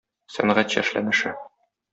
Сәнгатьчә эшләнеше.